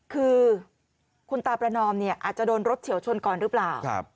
คือคุณตาประนอมเนี่ยอาจจะโดนรถเฉียวชนก่อนหรือเปล่า